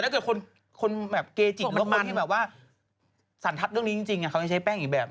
แต่ถ้าเกยจิตหรือว่าคนให้แบบว่าสันทัศน์เรื่องนี้จริงเขายังใช้แป้งอีกแบบ